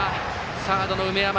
サードの梅山。